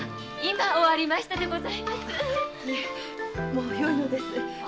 もうよいのです。